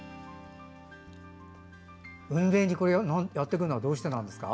海辺にやってくるのはどうしてなんですか？